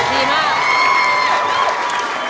ดีมาก